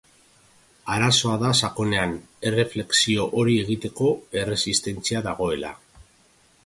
Arazoa da sakonean, erreflexio hori egiteko erresistentzia dagoela.